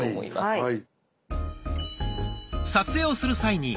はい。